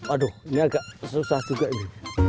aduh ini agak susah juga ini